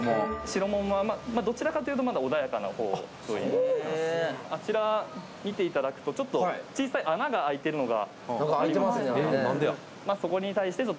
白桃はまあどちらかというとまだ穏やかな方といいますかあちら見ていただくとちょっと小さい穴が開いてるのが何か開いてますねえー